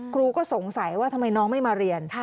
ครูก็สงสัยว่าทำไมน้องไม่มาเรียน